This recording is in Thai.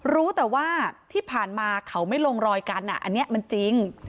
รู้แต่ว่าที่ผ่านมาเขาไม่ลงรอยกันอันนี้มันจริง